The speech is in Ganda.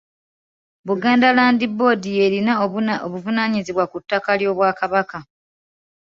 Buganda Land Board y’erina obuvunaanyizibwa ku ttaka ly'Obwakabaka.